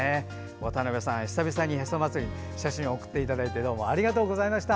渡辺さん、久々のへそ祭りの写真を送ってくださってどうもありがとうございました。